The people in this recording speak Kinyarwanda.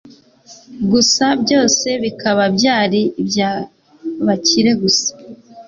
gusa byose bikaba byari iby'abakire gusa